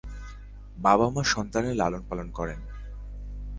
বাবা মা সন্তানের লালন পালন করেন।